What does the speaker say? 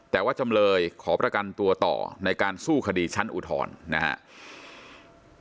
แต่ว่าจำเลยขอประกันตัวต่อในการสู้คดีชั้นอุทธรณ์นะครับ